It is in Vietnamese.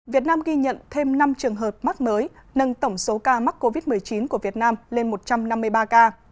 việt nam ghi nhận thêm năm trường hợp mắc mới nâng tổng số ca mắc covid một mươi chín của việt nam lên một trăm năm mươi ba ca